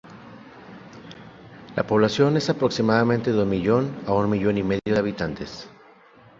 La población es aproximadamente de un millón a un millón y medio de habitantes.